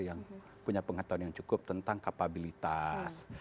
yang punya pengetahuan yang cukup tentang kapabilitas